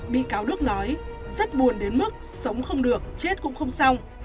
bị cáo đức nói rất buồn đến mức sống không được chết cũng không xong